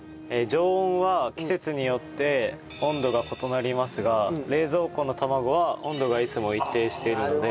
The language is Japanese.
常温は季節によって温度が異なりますが冷蔵庫の卵は温度がいつも一定しているので。